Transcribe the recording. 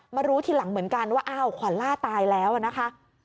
รู้ทีหลังเหมือนกันว่าอ้าวขวัญล่าตายแล้วนะคะ